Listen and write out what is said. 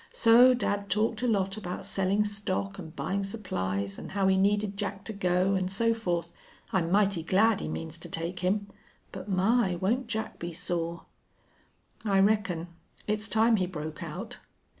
So dad talked a lot about selling stock an' buying supplies, and how he needed Jack to go, and so forth. I'm mighty glad he means to take him. But my! won't Jack be sore." "I reckon. It's time he broke out."